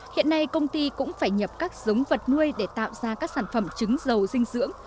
hiện nay công ty cũng phải nhập các giống vật nuôi để tạo ra các sản phẩm trứng dầu dinh dưỡng